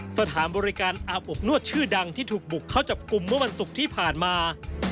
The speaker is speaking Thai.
สถานบริการอาบอบนวดชื่อดังที่ถูกบุกเข้าจับกลุ่มเมื่อวันศุกร์ที่ผ่านมา